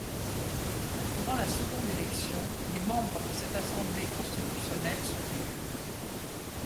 Durant la seconde élection, les membres de cette assemblée constitutionnelle sont élus.